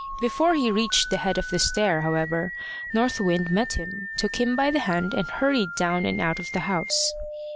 Before he reached the head of the stair, however, North Wind met him, took him by the hand, and hurried down and out of the house.